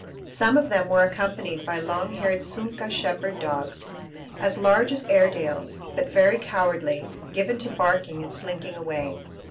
Some of them were accompanied by long haired suncca shepherd dogs, as large as Airedales, but very cowardly, given to barking and slinking away.